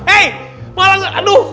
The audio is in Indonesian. eh malah aduh